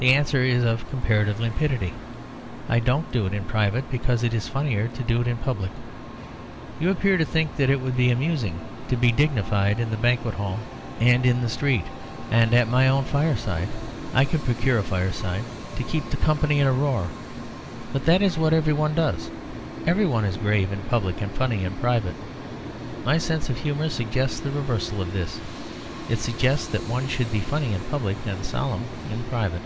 The answer is of comparative limpidity. I don't do it in private, because it is funnier to do it in public. You appear to think that it would be amusing to be dignified in the banquet hall and in the street, and at my own fireside (I could procure a fireside) to keep the company in a roar. But that is what every one does. Every one is grave in public, and funny in private. My sense of humour suggests the reversal of this; it suggests that one should be funny in public, and solemn in private.